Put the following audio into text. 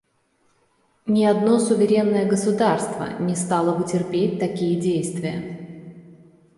Ни одно суверенное государство не стало бы терпеть такие действия.